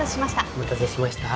お待たせしました。